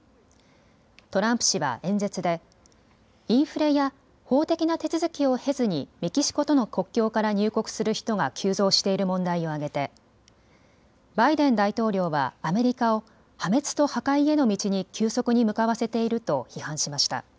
トランプ氏は演説でインフレや法的な手続きを経ずにメキシコとの国境から入国する人が急増している問題を挙げてバイデン大統領はアメリカを破滅と破壊への道に急速に向かわせていると批判しました。